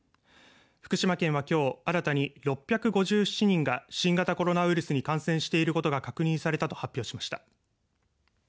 福島県はきょう新たに６５７人が新型コロナウイルスに感染していることが確認されたと発表しました。